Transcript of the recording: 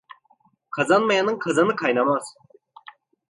Kazanmayanın kazanı kaynamaz.